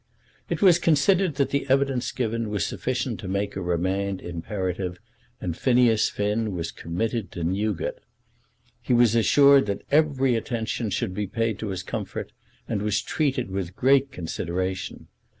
It was considered that the evidence given was sufficient to make a remand imperative, and Phineas Finn was committed to Newgate. He was assured that every attention should be paid to his comfort, and was treated with great consideration.